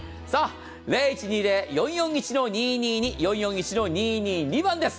０１２０‐４４１‐２２２４４１‐２２２番です。